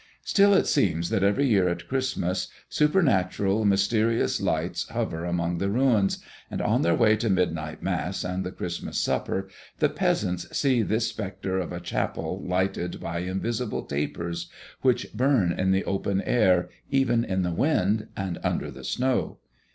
Still, it seems that every year at Christmas supernatural, mysterious lights hover among the ruins; and on their way to midnight Mass and the Christmas supper, the peasants see this spectre of a chapel lighted by invisible tapers, which burn in the open air, even in the wind and under the snow.